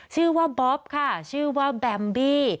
ชื่อว่าบ๊อบค่ะชื่อว่าแบมบี้